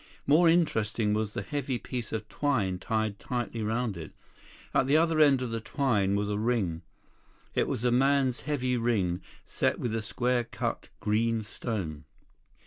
More interesting was the heavy piece of twine tied tightly around it. At the other end of the twine was a ring. It was a man's heavy ring, set with a square cut green stone.